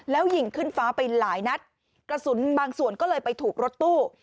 แล้วยิงขึ้นฟ้าไปหลายนัดกระสุนบางส่วนก็เลยไปถูกรถตู้